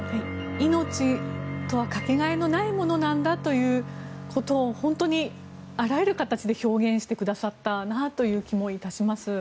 命とはかけがえのないものなんだということを本当にあらゆる形で表現してくださったなという気もいたします。